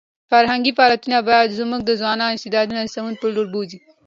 فرهنګي فعالیتونه باید زموږ د ځوانانو استعدادونه د سمون په لور بوځي.